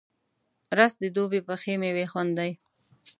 رس د دوبی پخې میوې خوند دی